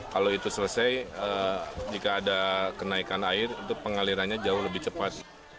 kalau itu selesai jika ada kenaikan air itu pengalirannya jauh lebih cepat